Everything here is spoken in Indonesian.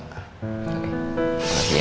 terima kasih ya